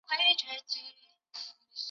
演出的不同角色之间的差别很大。